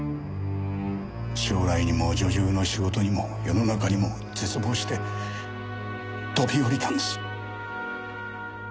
将来にも女優の仕事にも世の中にも絶望して飛び降りたんです。